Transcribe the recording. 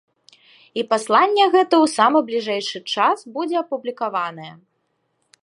І пасланне гэта ў самы бліжэйшы час будзе апублікаванае.